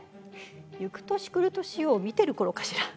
「ゆく年くる年」を見てる頃かしら。